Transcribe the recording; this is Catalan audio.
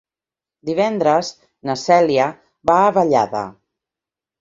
Divendres na Cèlia va a Vallada.